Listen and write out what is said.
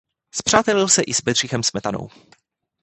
Spřátelil se i s Bedřichem Smetanou.